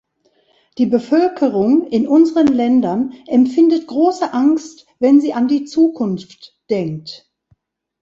Die Bevölkerung in unseren Ländern empfindet große Angst, wenn sie an die Zukunft denkt.